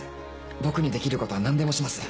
僕にできることは何でもします。